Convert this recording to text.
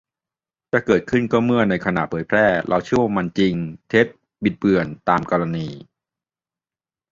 จะเกิดขึ้นก็เมื่อในขณะเผยแพร่เราเชื่อว่ามัน จริง เท็จ บิดเบือน ตามกรณี